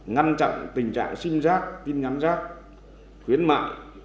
ngăn chặn tình trạng sinh giác tin ngắn giác khuyến mại